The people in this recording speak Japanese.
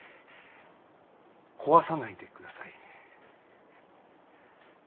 壊さないでください。